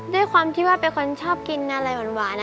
ด้วยความที่ว่าเป็นคนชอบกินอะไรหวาน